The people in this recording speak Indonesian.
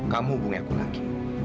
kamu hubungi aku lagi